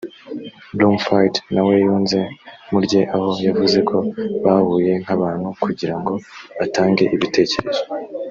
bloomfield na we yunze mu rye aho yavuze ko bahuye nk’ abantu kugira ngo batange ibitekerezo